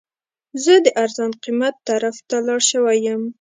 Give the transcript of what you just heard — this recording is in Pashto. زه د ارزان قیمت طرف ته لاړ شوی یم.